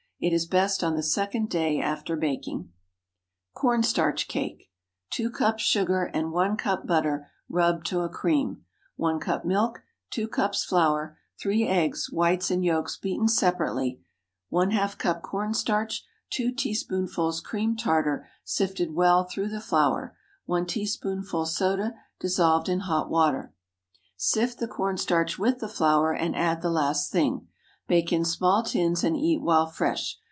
It is best on the second day after baking. CORN STARCH CAKE. ✠ 2 cups sugar,} 1 cup butter,} rubbed to a cream. 1 cup milk. 2 cups flour. 3 eggs, whites and yolks beaten separately. ½ cup corn starch. 2 teaspoonfuls cream tartar, sifted well through the flour. 1 teaspoonful soda, dissolved in hot water. Sift the corn starch with the flour, and add the last thing. Bake in small tins and eat while fresh.